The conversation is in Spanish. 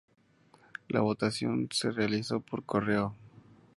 La votación se realizó por correo.